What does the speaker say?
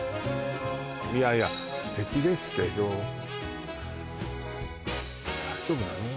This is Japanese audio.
いやいや素敵ですけど大丈夫なの？